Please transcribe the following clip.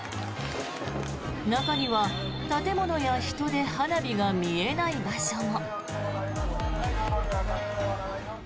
中には建物や人で花火が見えない場所も。